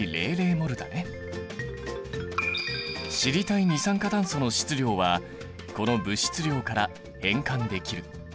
知りたい二酸化炭素の質量はこの物質量から変換できる。